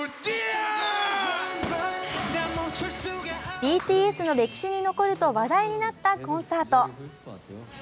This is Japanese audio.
ＢＴＳの歴史に残ると話題になったコンサート。